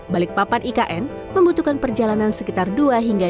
balikpapan ikn membutuhkan perjalanan sekitar dua hingga dua lima jam